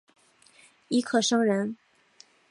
尹克升人。